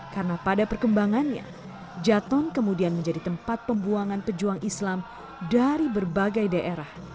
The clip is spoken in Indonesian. karena pada perkembangannya jaton kemudian menjadi tempat pembuangan pejuang islam dari berbagai daerah